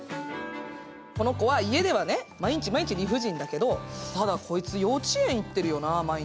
この子は、家では毎日毎日理不尽だけど、そうだこいつ幼稚園行ってるよな、毎日。